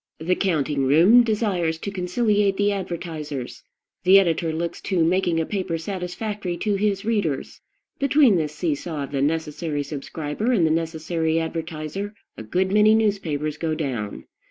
The counting room desires to conciliate the advertisers; the editor looks to making a paper satisfactory to his readers. Between this see saw of the necessary subscriber and the necessary advertiser, a good many newspapers go down.